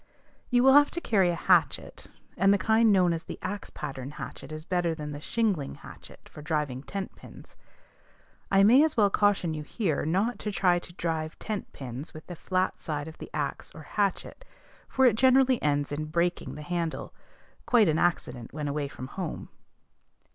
You will have to carry a hatchet; and the kind known as the axe pattern hatchet is better than the shingling hatchet for driving tent pins. I may as well caution you here not to try to drive tent pins with the flat side of the axe or hatchet, for it generally ends in breaking the handle, quite an accident when away from home.